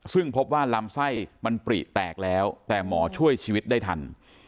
ซึ่งพบว่าลำไส้มันปริแตกแล้วแต่หมอช่วยชีวิตได้ทัน